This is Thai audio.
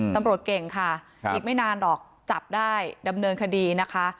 ตำรวจเก่งค่ะอีกไม่นานหรอกจับได้ดำเนินคดีนะคะ